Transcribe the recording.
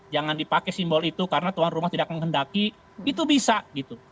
jangan dipakai simbol itu karena tuan rumah tidak menghendaki itu bisa gitu